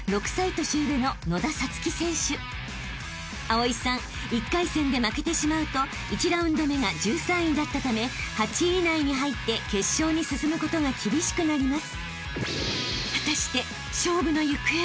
［蒼さん１回戦で負けてしまうと１ラウンド目が１３位だったため８位以内に入って決勝に進むことが厳しくなります］